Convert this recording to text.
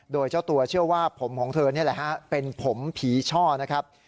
โดยเจ้าตัวเชื่อว่าผมของเธอนี่แหละฮะเป็นผมผีช่อนะครับ